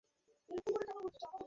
কারা ছিল ওরা?